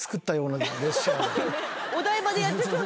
お台場でやってそうなね。